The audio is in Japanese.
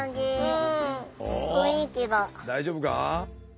大丈夫か？